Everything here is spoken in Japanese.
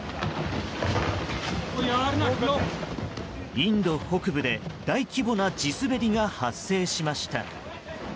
インド北部で大規模な地滑りが発生しました。